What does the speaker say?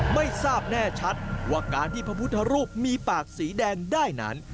ไม่ทราบแน่ชัดว่าการที่พระพุทธรูปมีปากสีแดงได้นั้น